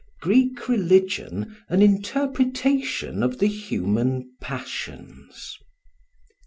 Greek Religion an Interpretation of the Human Passions.